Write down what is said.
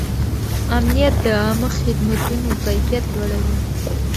امنیت د عامه خدمتونو کیفیت لوړوي.